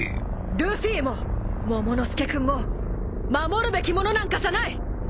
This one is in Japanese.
ルフィもモモの助君も守るべき者なんかじゃない！